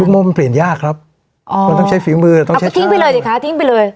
ลูกโม่มันเปลี่ยนยากครับอ๋อมันต้องใช้ฝีมือต้องใช้ข้างอ้าวก็ทิ้งไปเลยดิคะทิ้งไปเลย